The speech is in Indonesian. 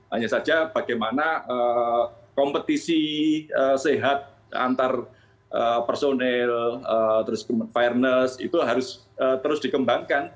hanya saja bagaimana kompetisi sehat antar personel terus kemampuan keamanan itu harus terus dikembangkan